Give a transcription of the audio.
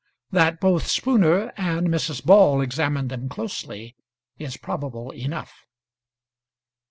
That both Spooner and Mrs. Ball examined them closely is probable enough.